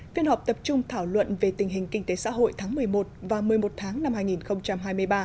phiên họp tập trung thảo luận về tình hình kinh tế xã hội tháng một mươi một và một mươi một tháng năm hai nghìn hai mươi ba